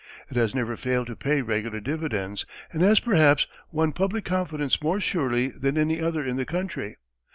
It has never failed to pay regular dividends, and has, perhaps, won public confidence more surely than any other in the country.